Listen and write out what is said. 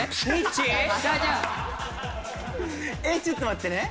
ちょっと待ってね。